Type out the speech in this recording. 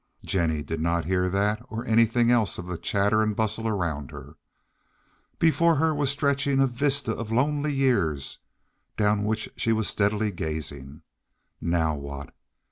Jennie did not hear that or anything else of the chatter and bustle around her. Before her was stretching a vista of lonely years down which she was steadily gazing. Now what?